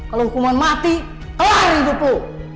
kalo hukuman mati kelar hidup lo